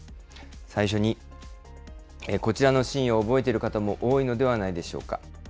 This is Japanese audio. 最初に、こちらのシーンを覚えている方も多いのではないでしょうか。